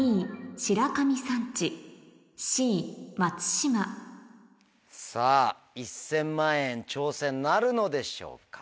白神山地Ｃ松島さぁ１０００万円挑戦なるのでしょうか？